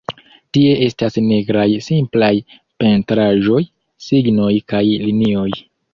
Tie estas nigraj simplaj pentraĵoj, signoj kaj linioj.